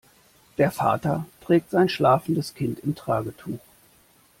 Der Vater trägt sein schlafendes Kind im Tragetuch.